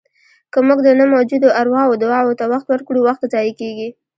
که موږ د نه موجودو ارواوو دعاوو ته وخت ورکړو، وخت ضایع کېږي.